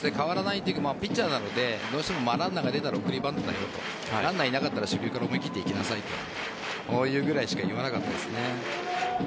ピッチャーなのでどうしてもランナーが出たら送りバントランナーがいなかったら初球から思い切っていきなさいというぐらいしか言わなかったです。